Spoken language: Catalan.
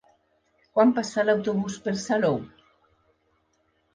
Quan passa l'autobús per Salou?